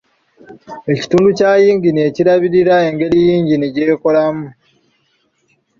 Ekitundu kya yingini ekirabirira engeri yingini gyekolamu.